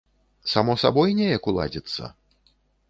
Само сабой неяк уладзіцца?